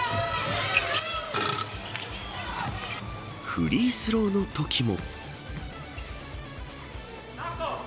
フリースローのときも。